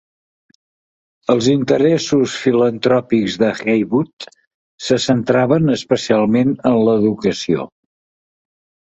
Els interessos filantròpics de Heywood se centraven especialment en l'educació.